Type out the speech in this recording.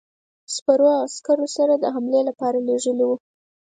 سپرو عسکرو سره حملې لپاره لېږلی وو.